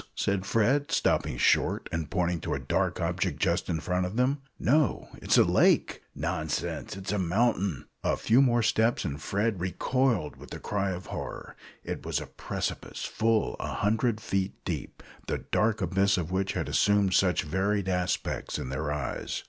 said Fred, stopping short, and pointing to a dark object just in front of them. "No, it's a lake." "Nonsense, it's a mountain." A few more steps, and Fred recoiled with a cry of horror. It was a precipice full a hundred feet deep the dark abyss of which had assumed such varied aspects in their eyes!